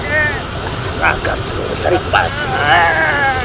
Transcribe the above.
serahkan semua seribu pak man